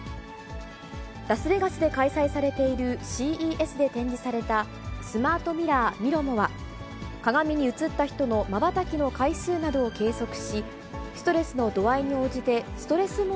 ラスベガスで開催されている、ＣＥＳで展示された、スマートミラー、ミロモは、鏡に映った人のまばたきの回数などを計測し、ストレスの度合いに応じてストレス